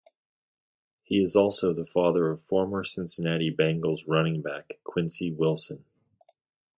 He is also the father of former Cincinnati Bengals running back Quincy Wilson.